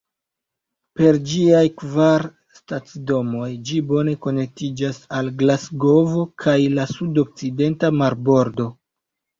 Per ĝiaj kvar stacidomoj ĝi bone konektiĝas al Glasgovo kaj la sudokcidenta marbordo.